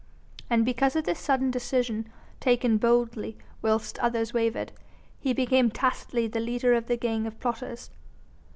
And because of this sudden decision, taken boldly whilst others wavered, he became tacitly the leader of the gang of plotters.